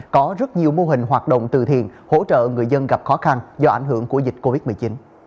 có rất nhiều mô hình hoạt động từ thiện hỗ trợ người dân gặp khó khăn do ảnh hưởng của dịch covid một mươi chín